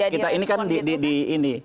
kita ini kan di ini di tingkatan elit